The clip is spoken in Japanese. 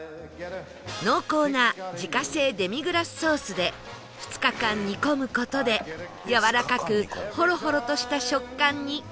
濃厚な自家製デミグラスソースで２日間煮込む事でやわらかくホロホロとした食感に